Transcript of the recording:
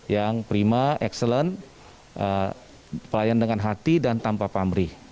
yang prima excellent pelayan dengan hati dan tanpa pamrih